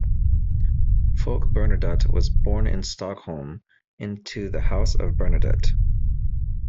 Folke Bernadotte was born in Stockholm into the House of Bernadotte.